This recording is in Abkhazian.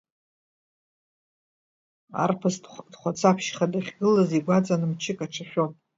Арԥыс дхәацаԥшьха дахьгылаз, игәаҵан мчык аҽашәон.